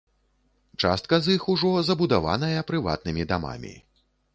Частка з іх ўжо забудаваная прыватнымі дамамі.